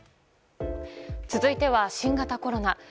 続いては新型コロナ。